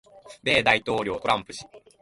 米大統領トランプ氏